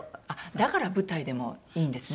だから舞台でもいいんですね。